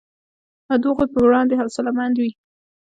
او د هغوی په وړاندې حوصله مند وي